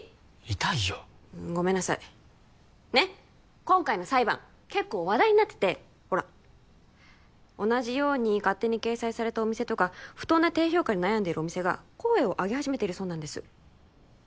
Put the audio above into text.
痛いようーんごめんなさいねっ今回の裁判結構話題になっててほら同じように勝手に掲載されたお店とか不当な低評価に悩んでるお店が声をあげ始めてるそうなんです